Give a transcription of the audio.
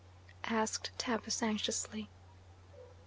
asked Tabus anxiously.